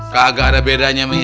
kagak ada bedanya mih